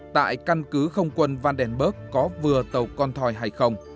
tại căn cứ không quân vandenberg có vừa tàu con thoi hay không